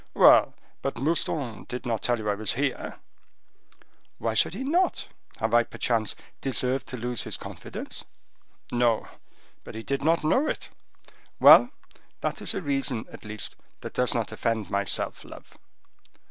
"Well, but Mouston did not tell you I was here." "Why should he not? Have I, perchance, deserved to lose his confidence?" "No; but he did not know it." "Well; that is a reason at least that does not offend my self love."